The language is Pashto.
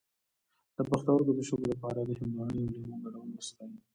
د پښتورګو د شګو لپاره د هندواڼې او لیمو ګډول وڅښئ